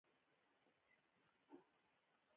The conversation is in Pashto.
څوک چې ریښتونې علاقه لري واک او اختیار نه لري.